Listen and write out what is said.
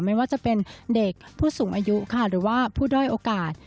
ไม่ว่าจะเป็นเด็กผู้สูงอายุค่ะหรือว่าผู้ด้อยโอกาส